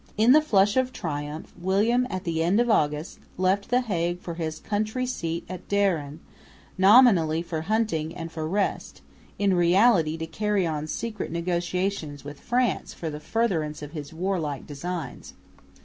In the flush of triumph William at the end of August left the Hague for his country seat at Dieren, nominally for hunting and for rest, in reality to carry on secret negotiations with France for the furtherance of his warlike designs.